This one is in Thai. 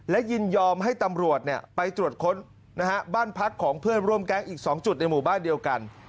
และยินยอมให้ตำรวจไปตรวจค้นบ้านพักของเพื่อนร่วมแก๊งอีก๒จุดในหมู่บ้านเดียวกัน